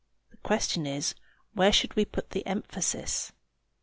The question is where we should put the emphasis.